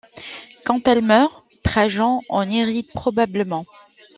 Quand elle meurt, Trajan en hérite probablement.